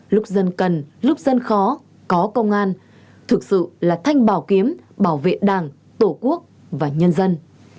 lúc dân cần lúc dân khó có công an thực sự là thanh bảo kiếm bảo vệ đảng tổ quốc và nhân dân